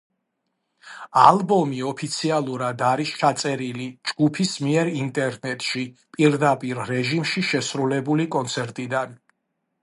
ალბომი ოფიციალურად არის ჩაწერილი ჯგუფის მიერ ინტერნეტში, პირდაპირ რეჟიმში შესრულებული კონცერტიდან.